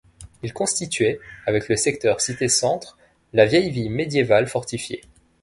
Il constituait, avec le secteur Cité-centre la vielle-ville médiévale fortifié.